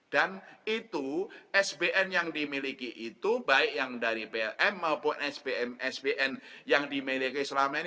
dan itu sbn yang dimiliki itu baik yang dari plm maupun sbn yang dimiliki selama ini udah